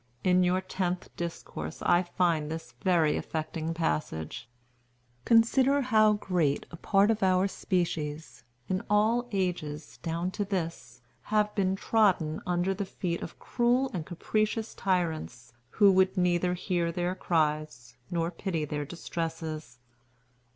In your tenth discourse I find this very affecting passage: 'Consider how great a part of our species, in all ages, down to this, have been trodden under the feet of cruel and capricious tyrants, who would neither hear their cries nor pity their distresses.